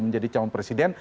menjadi calon presiden